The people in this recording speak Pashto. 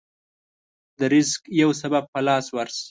د رزق يو سبب په لاس ورشي.